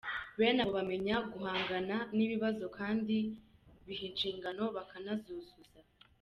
Bene abo bamenya guhangana n’ibibazo kandi biha inshingano bakanazuzuza.